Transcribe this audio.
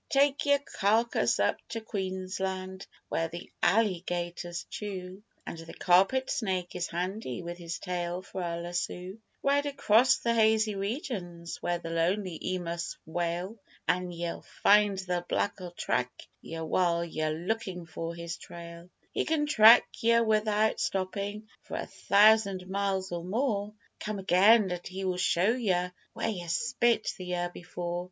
Take yer karkass up to Queensland where the allygators chew And the carpet snake is handy with his tail for a lassoo; Ride across the hazy regins where the lonely emus wail An' ye'll find the black'll track yer while yer lookin' for his trail; He can track yer without stoppin' for a thousand miles or more Come again, and he will show yer where yer spit the year before.